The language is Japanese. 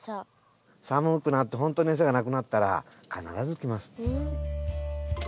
寒くなってほんとに餌がなくなったら必ず来ます。